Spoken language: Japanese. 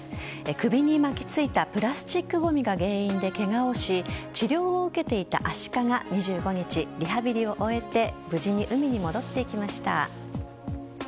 首に巻きついたプラスチックごみが原因でケガをし治療を受けていたアシカが２５日リハビリを終えて無事に海に戻っていきました。